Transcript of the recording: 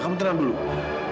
kamu tenang dulu mila